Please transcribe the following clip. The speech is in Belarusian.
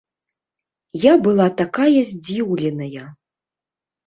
Я была такая здзіўленая.